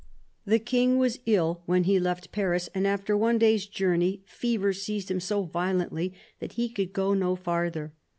The King was ill when he left Paris, and after one day's journey fever seized him so violently that he could go no farther.